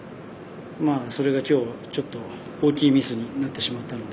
それが今日、ちょっと大きいミスになってしまったので